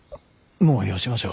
もうよしましょう。